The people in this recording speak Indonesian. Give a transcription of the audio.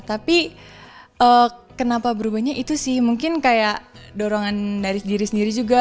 tapi kenapa berubahnya itu sih mungkin kayak dorongan dari diri sendiri juga